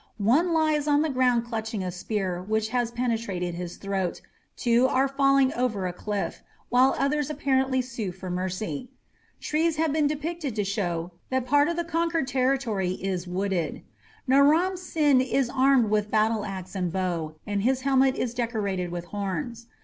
One lies on the ground clutching a spear which has penetrated his throat, two are falling over a cliff, while others apparently sue for mercy. Trees have been depicted to show that part of the conquered territory is wooded. Naram Sin is armed with battleaxe and bow, and his helmet is decorated with horns.